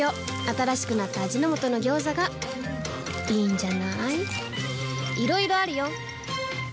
新しくなった味の素の「ギョーザ」がいいんじゃない？